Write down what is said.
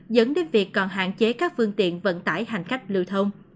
dẫn đến việc còn hạn chế các phương tiện vận tải hành khách lưu thông